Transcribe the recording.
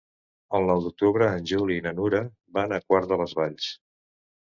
El nou d'octubre en Juli i na Nura van a Quart de les Valls.